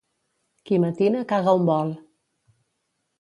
Qui matina caga on vol.